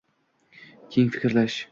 keng fikrlash